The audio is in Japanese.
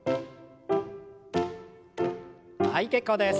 はい結構です。